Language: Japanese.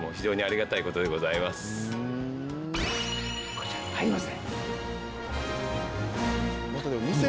こちら入りますね。